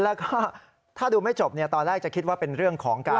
แล้วก็ถ้าดูไม่จบตอนแรกจะคิดว่าเป็นเรื่องของการ